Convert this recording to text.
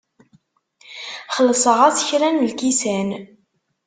Xellṣeɣ-as kra n lkisan.